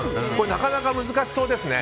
なかなか難しそうですね。